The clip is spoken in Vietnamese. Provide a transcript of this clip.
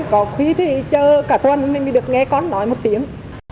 có khí thì chờ cả tuần nên mới được nghe con nói một tiếng